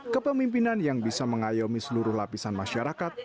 kepemimpinan yang bisa mengayomi seluruh lapisan masyarakat